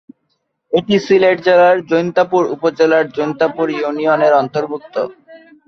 এটি সিলেট জেলার জৈন্তাপুর উপজেলার জৈন্তাপুর ইউনিয়নের অন্তর্ভুক্ত।